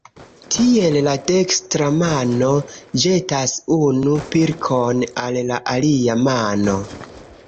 Tiel, la dekstra mano ĵetas unu pilkon al la alia mano.